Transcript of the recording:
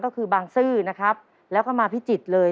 ก็คือบางซื่อนะครับแล้วก็มาพิจิตรเลย